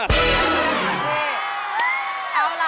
อะไรก็ได้แต่ต้องเท